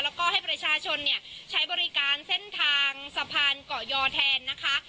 แล้วก็ให้ประชาชนเนี่ยใช้บริการเส้นทางสะพานเกาะยอแทนนะคะ